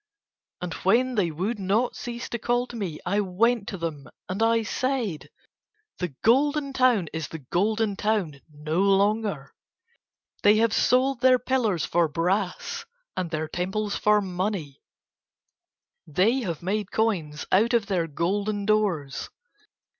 And when they would not cease to call to me I went to them and I said: "The Golden Town is the Golden Town no longer. They have sold their pillars for brass and their temples for money, they have made coins out of their golden doors.